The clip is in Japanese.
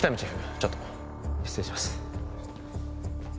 ちょっと失礼します